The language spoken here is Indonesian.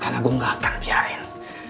karena gua gak akan biarin